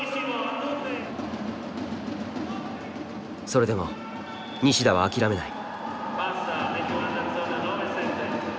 それでも西田は諦めない。